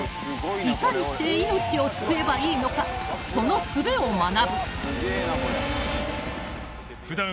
［いかにして命を救えばいいのかそのすべを学ぶ］